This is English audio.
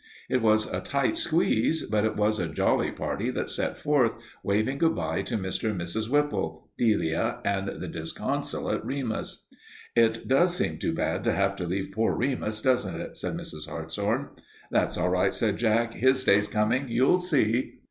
It was a tight squeeze, but it was a jolly party that set forth, waving good by to Mr. and Mrs. Whipple, Delia, and the disconsolate Remus. "It does seem too bad to have to leave poor Remus, doesn't it?" said Mrs. Hartshorn. "That's all right," said Jack. "His day's coming. You'll see."